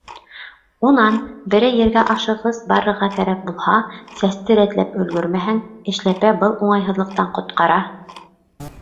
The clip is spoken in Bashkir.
Унан берәй ергә ашығыс барырға кәрәк булһа, сәсте рәтләп өлгөрмәһәң, эшләпә был уңайһыҙлыҡтан ҡотҡара.